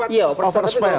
iya operasi tapi kalau